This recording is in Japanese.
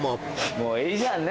もういいじゃん。